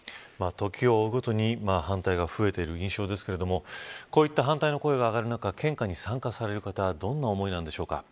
時を追うごとに反対が増えている印象ですけれどもこういった反対の声が上がる中献花に参加される方どんな思いなんでしょうか。